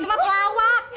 be cuma pelawak